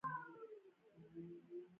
سوالګر له خدای سره تړاو لري